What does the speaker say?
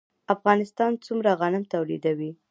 افغانستان څومره غنم تولیدوي؟